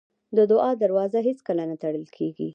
د دعا دروازه هېڅکله نه تړل کېږي.